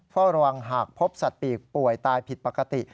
เฝ้าระวังหากพบสัตว์ปีกป่วยตายผิดปกติ